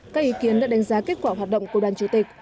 các ý kiến đã đánh giá kết quả hoạt động của đoàn chủ tịch